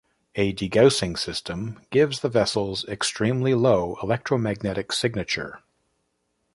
A degaussing system gives the vessels extremely low electromagnetic signature.